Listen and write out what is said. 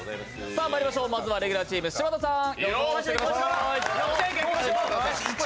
まいりましょう、まずはレギュラーチーム、柴田さん。